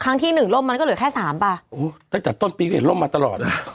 ครั้งที่หนึ่งล่มมันก็เหลือแค่สามป่ะอุ้ยตั้งแต่ต้นปีเกิดล่มมาตลอด